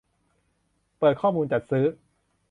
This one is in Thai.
เปิดข้อมูลจัดซื้อ